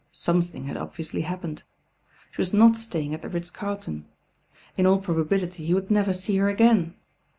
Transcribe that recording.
Something had obviously happened. She was not staying at the Ritz Carlton In all probability he would never see her again.